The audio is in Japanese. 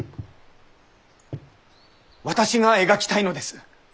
私が描きたいのです。